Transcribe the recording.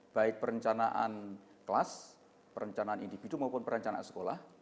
baik perencanaan kelas perencanaan individu maupun perencanaan sekolah